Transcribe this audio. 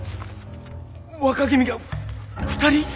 若君が２人？